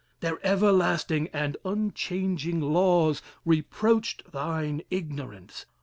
Their everlasting and unchanging laws Reproached thine ignorance.